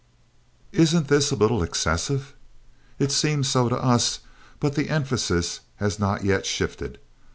Isn't this a little excessive? It seems so to us, but the emphasis has not yet shifted.